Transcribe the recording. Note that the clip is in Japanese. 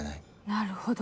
なるほど。